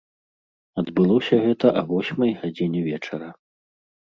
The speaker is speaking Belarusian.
Адбылося гэта а восьмай гадзіне вечара.